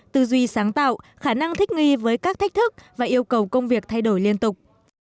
tư duy sáng tạo khả năng thích nghi với các thách thức và yêu cầu công việc thay đổi liên tục